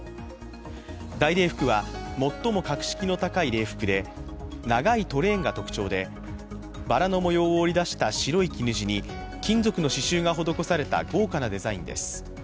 大礼服は最も格式の高い礼服で長いトレーンが特徴で、バラの模様を織りだした白い絹地に金属の刺しゅうが施された豪華なデザインです。